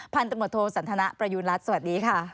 พันธุโมโทสันธนประยูนรัฐสวัสดีค่ะ